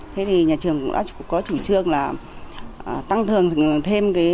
thế thì nhà trường cũng đã có chủ trương là tăng thường thêm cái